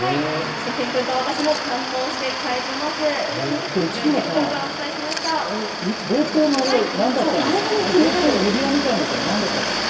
しゅと犬くんと私も堪能して帰ろうと思います。